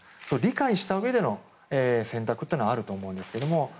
それを理解したうえでの選択はあると思うんですけども。